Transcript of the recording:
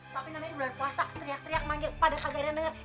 tapi namanya bulan puasa teriak teriak manggil pada kagarin denger